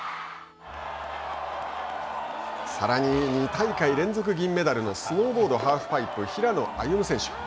さらに２大会連続銀メダルのスノーボードハーフパイプ平野歩夢選手。